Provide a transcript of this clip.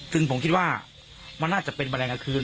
ซึ่งผมคิดว่ามันน่าจะเป็นแมลงกลางคืน